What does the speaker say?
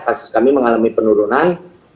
kasus kami mengalami penurunan